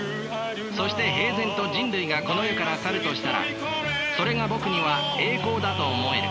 そして平然と人類がこの世から去るとしたらそれがぼくには栄光だと思える。